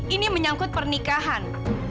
ini menyangkut pernikahan